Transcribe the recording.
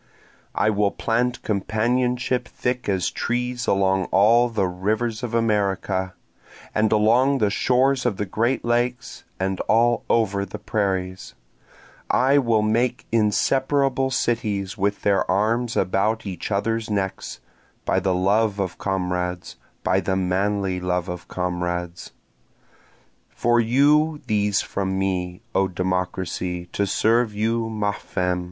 I will plant companionship thick as trees along all the rivers of America, and along the shores of the great lakes, and all over the prairies, I will make inseparable cities with their arms about each other's necks, By the love of comrades, By the manly love of comrades. For you these from me, O Democracy, to serve you ma femme!